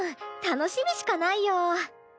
楽しみしかないよ。